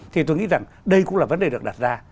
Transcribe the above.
thì tôi nghĩ rằng đây cũng là vấn đề được đặt ra